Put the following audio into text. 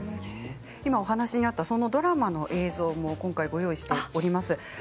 今お話にあったドラマの映像も今回ご用意しております。